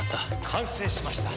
完成しました。